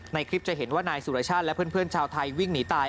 ในคลิปจะเห็นว่านายสุรชาติและเพื่อนชาวไทยวิ่งหนีตาย